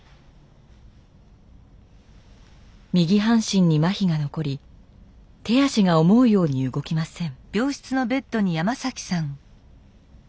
右半身にまひが残り手足が思うように動きません。